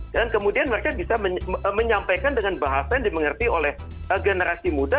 dan kemudian mereka bisa menyampaikan dengan bahasa yang dimengerti oleh generasi muda